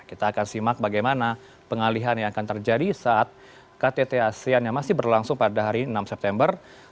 kita akan simak bagaimana pengalihan yang akan terjadi saat ktt asean yang masih berlangsung pada hari enam september